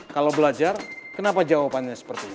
kalau belajar kenapa jawabannya seperti itu